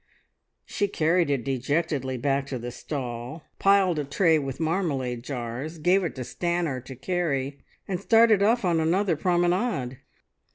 She carried it dejectedly back to the stall, piled a tray with marmalade jars, gave it to Stanor to carry, and started off on another promenade.